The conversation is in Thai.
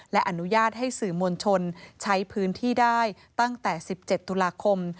และอนุญาตให้สื่อมวลชนใช้พื้นที่ได้ตั้งแต่๑๗ตุลาคม